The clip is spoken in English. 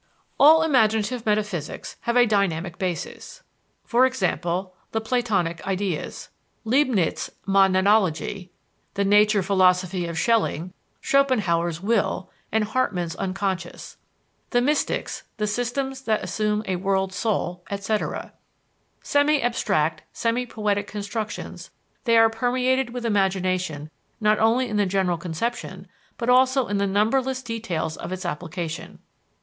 All imaginative metaphysics have a dynamic basis, e.g., the Platonic Ideas, Leibniz' Monadology, the Nature philosophy of Schelling, Schopenhauer's Will, and Hartmann's Unconscious, the mystics, the systems that assume a world soul, etc. Semi abstract, semi poetic constructions, they are permeated with imagination not only in the general conception, but also in the numberless details of its application.